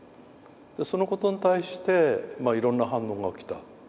そのことに対していろんな反応が起きた。